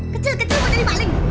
kecil kita jadi maling